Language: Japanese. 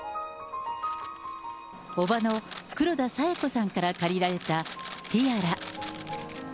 叔母の黒田清子さんから借りられたティアラ。